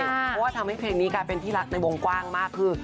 เพราะว่าทำให้เพลงนี้กลายเป็นที่รักในวงกว้างมากคือ